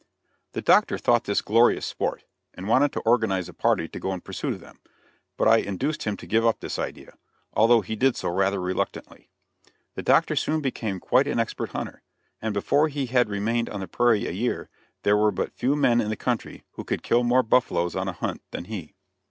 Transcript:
The Doctor thought this glorious sport, and wanted to organize a party to go in pursuit of them, but I induced him to give up this idea, although he did so rather reluctantly. The Doctor soon became quite an expert hunter, and before he had remained on the prairie a year there were but few men in the country who could kill more buffaloes on a hunt than he.